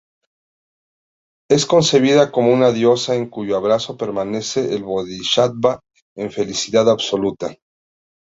Es concebida como una diosa en cuyo abrazo permanece el Bodhisattva en felicidad absoluta.